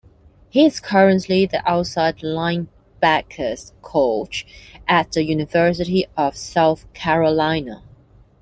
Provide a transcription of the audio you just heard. He is currently the outside linebackers coach at the University of South Carolina.